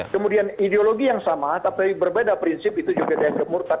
kemudian ideologi yang sama tapi berbeda prinsip itu juga dianggap murta